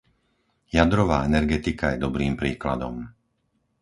Jadrová energetika je dobrým príkladom.